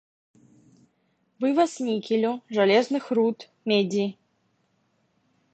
Вываз нікелю, жалезных руд, медзі.